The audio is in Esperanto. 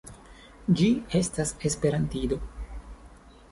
Ĝi estas esperantido.